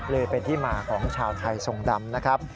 เลยเป็นที่มาของชาวไทยทรงดำนะครับ